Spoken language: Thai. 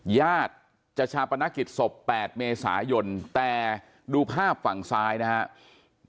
ญาติจะชาปนกิจศพ๘เมษายนแต่ดูภาพฝั่งซ้ายนะครับ